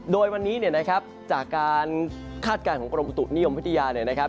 โดยวันนี้เนี่ยนะครับจากการคาดการณ์ของกรมอุตุนิยมวิทยาเนี่ยนะครับ